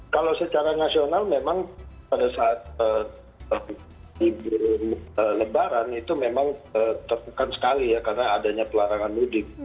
kalau secara nasional memang pada saat libur lebaran itu memang tertekan sekali ya karena adanya pelarangan mudik